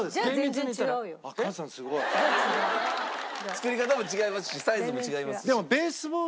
作り方も違いますしサイズも違いますし。